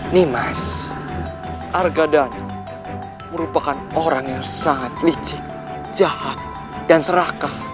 nimas argadani merupakan orang yang sangat licik jahat dan serakah